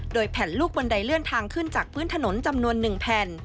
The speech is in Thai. โดยแผ่นลูกบันไดเลื่อนทางขึ้นจากพื้นถนนจำนวน๑แผ่น